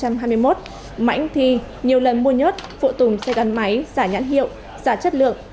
mãnh thi nhiều lần mua nhớt phụ tùng xe gắn máy giả nhãn hiệu giả chất lượng